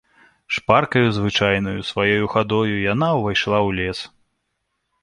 Шпаркаю звычайнаю сваёю хадою яна ўвайшла ў лес.